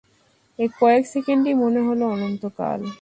এই কয়েক সেকেন্ডকেই মনে হল অনন্তকাল।